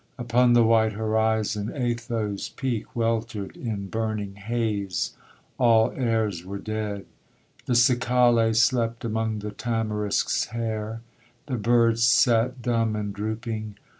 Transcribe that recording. Upon the white horizon Atho's peak Weltered in burning haze; all airs were dead; The cicale slept among the tamarisk's hair; The birds sat dumb and drooping.